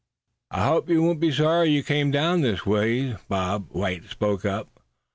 "I hope, suh, you won't be sorry you came down this aways," Bob White spoke up.